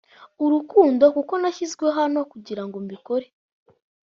urukundo kuko bazi ko nashyizwe hano kugira ngo mbikore